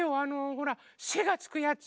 ほら「せ」がつくやつ。